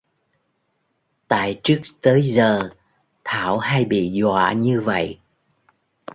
tại trước tới giờ thảo hay bị dọa như vậy